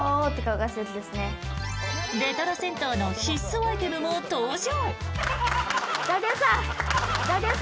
レトロ銭湯の必須アイテムも登場。